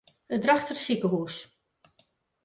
It Drachtster sikehûs.